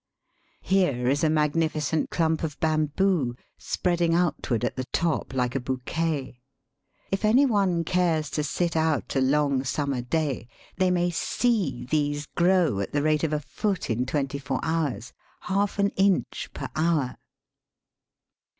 Here is a mag nificent clump of bamboo, spreading outward at the top like a bouquet. If any one cares to sit out a long summer day they may see these grow at the rate of a foot in twenty four hours — half an inch per hour.